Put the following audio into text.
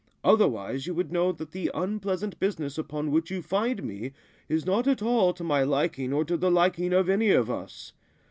Otherwise you would know that the unpleasant business upon which you find me is not at all to my liking or to the liking of any of us.